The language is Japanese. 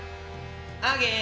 アゲ。